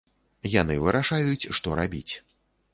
Яны вырашаюць, што рабіць.